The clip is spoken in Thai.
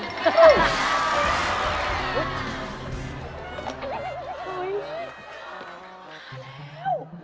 มาแล้ว